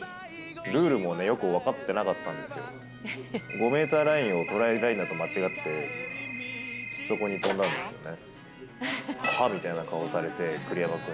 ５ｍラインをトライラインだと間違ってそこにトライしたんですよね。